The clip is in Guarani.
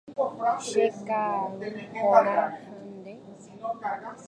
Cheka'aru porã ha nde.